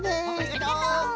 ありがとう！